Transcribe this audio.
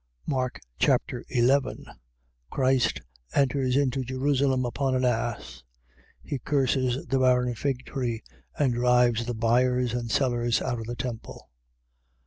Mark Chapter 11 Christ enters into Jerusalem upon an ass. He curses the barren fig tree and drives the buyers and sellers out of the temple.